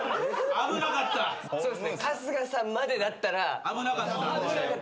危なかったんで。